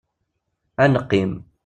Ad neqqim.